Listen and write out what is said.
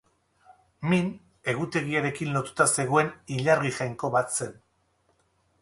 Min, egutegiarekin lotuta zegoen ilargi jainko bat zen.